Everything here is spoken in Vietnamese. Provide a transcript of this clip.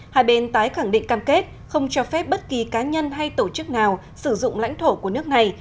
hai bên tái khẳng định cam kết không cho phép bất kỳ cá nhân hay tổ chức nào sử dụng lãnh thổ của nước này